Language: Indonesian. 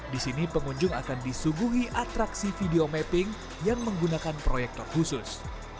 di sini pengunjung akan disuguhi atraksi video mapping yang menggunakan proyektor khusus